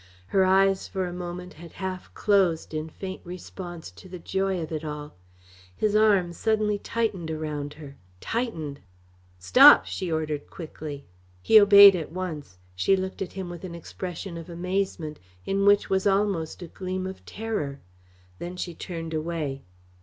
Her eyes for a moment had half closed in faint response to the joy of it all. His arm suddenly tightened around her tightened! "Stop!" she ordered quickly. He obeyed at once. She looked at him with an expression of amazement, in which was almost a gleam of terror. Then she turned away.